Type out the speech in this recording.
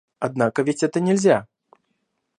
Однако ведь это нельзя.